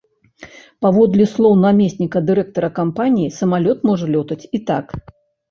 Паводле слоў намесніка дырэктара кампаніі, самалёт можа лётаць і так.